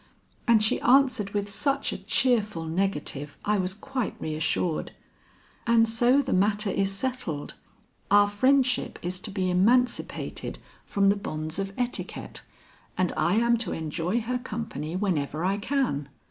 And she answered with such a cheerful negative I was quite reassured. And so the matter is settled. Our friendship is to be emancipated from the bonds of etiquette and I am to enjoy her company whenever I can.